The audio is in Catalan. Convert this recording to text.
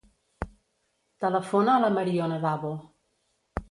Telefona a la Mariona Davo.